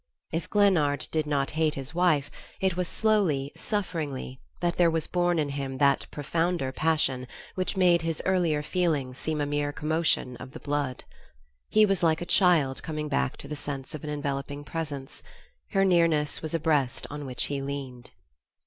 If Glennard did not hate his wife it was slowly, sufferingly, that there was born in him that profounder passion which made his earlier feeling seem a mere commotion of the blood. He was like a child coming back to the sense of an enveloping presence: her nearness was a breast on which he leaned.